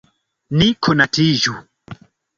Ni konatiĝu.